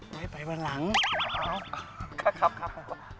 ไว้ไปวันหลังครับพ่อ